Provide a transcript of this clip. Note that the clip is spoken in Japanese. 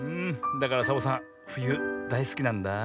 だからサボさんふゆだいすきなんだあ。